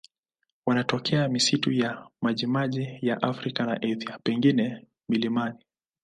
Wanatokea misitu ya majimaji ya Afrika na Asia, pengine milimani.